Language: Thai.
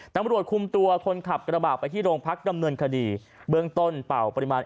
ตำรวจคุมตัวคนขับกระบาดไปที่โรงพักดำเนินคดีเบื้องต้นเป่าปริมาณ